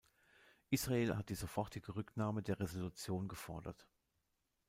Israel hat die sofortige Rücknahme der Resolution gefordert.